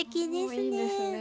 おおいいですね。